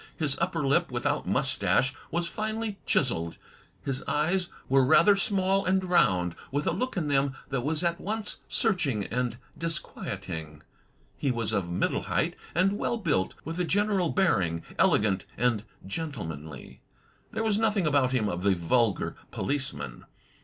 His upper lip, without moustache, was finely chiselled. His eyes were rather small and round, with a look in them that was at once search ing and disquieting. He was of middle height and well built, with a general bearing elegant and gentlemanly. There was nothing about him of the vulgar policeman.